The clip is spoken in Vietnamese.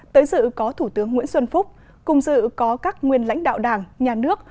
tới dự có thủ tướng nguyễn xuân phúc cùng dự có các nguyên lãnh đạo đảng nhà nước